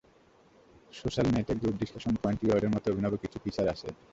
সোশ্যালনেটে group discussion, point রিওয়ার্ডের মতো অভিনব কিছু ফিচার আছে এতে।